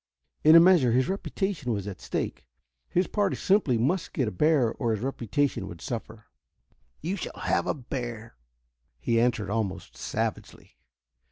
In a measure his reputation was at stake. His party simply must get a bear, or his reputation would suffer. "You shall have a bear," he answered almost savagely.